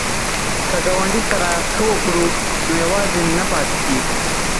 که ګاونډي سره ښه وکړو نو یوازې نه پاتې کیږو.